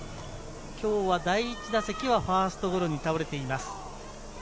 今日は第１打席はファーストゴロに倒れています。